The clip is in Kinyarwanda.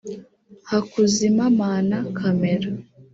Hakuzimamana Camera